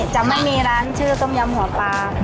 จะไม่มีร้านชื่อต้มยำหัวปลา